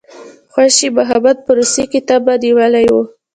خوشي محمد په روسیې کې تبه نیولی وو.